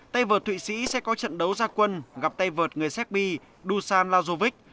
tây vợt thụy sĩ sẽ có trận đấu gia quân gặp tây vợt người seppi dusan lazovic